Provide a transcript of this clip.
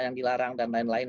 yang dilarang dan lain lain